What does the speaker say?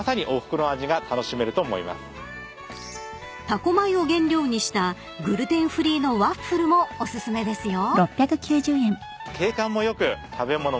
［多古米を原料にしたグルテンフリーのワッフルもお薦めですよ］